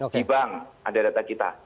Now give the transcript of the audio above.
di bank ada data kita